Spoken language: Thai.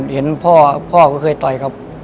เห็นพ่อพ่อก็เคยต่อยครับ